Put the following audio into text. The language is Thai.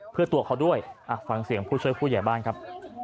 เพื่อตัวเขาด้วยฟังเสียงผู้ช่วยผู้ใหญ่บ้านครับ